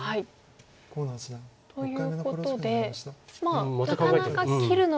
ということでなかなか切るのは。